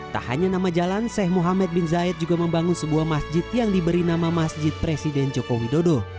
tak hanya nama jalan seh muhammad bin zayed juga membangun sebuah masjid yang diberi nama masjid presiden joko widodo